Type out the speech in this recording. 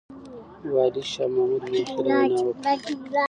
والي شاه محمود مياخيل وينا وکړه.